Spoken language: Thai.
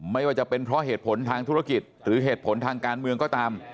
ไม่ว่าจะเป็นเพราะเหตุผลทางธุรกิจหรือเหตุผลทางการเมืองก็ตาม